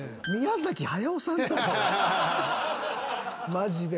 マジで。